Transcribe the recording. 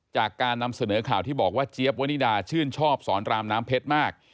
จากการนำเสนอข่าวที่บอกว่าเจี๊ยบวนิดาชื่นชอบสอนรามน้ำเพชรมาก